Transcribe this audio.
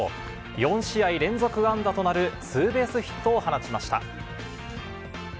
４試合連続安打となるツーベースヒットを放ちました。